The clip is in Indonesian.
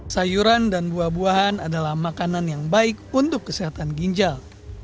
sayuran dan buah buahan adalah makanan yang baik untuk kesehatan ginjal